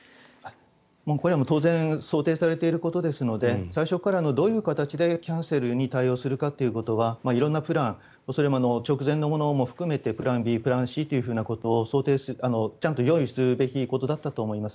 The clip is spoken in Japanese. これは当然想定されていることですので最初からどういう形でキャンセルに対応するかということは色んなプランそれも直前のものも含めてプランＢ、プランＣというのを用意すべきことだったと思います。